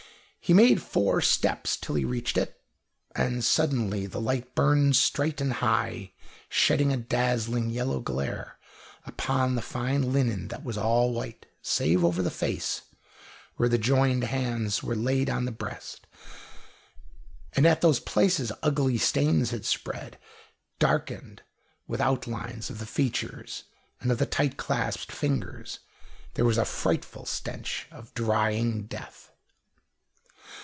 He made four steps till he reached it, and suddenly the light burned straight and high, shedding a dazzling yellow glare upon the fine linen that was all white, save over the face, and where the joined hands were laid on the breast. And at those places ugly stains had spread, darkened with outlines of the features and of the tight clasped fingers. There was a frightful stench of drying death.